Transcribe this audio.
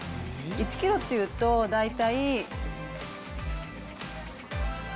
１キロっていうと大体。